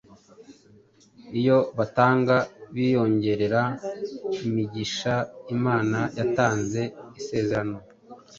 Iyo batanga biyongerera imigishaImana yatanze isezerano